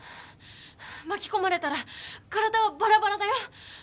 巻き込まれたら体はばらばらだよ。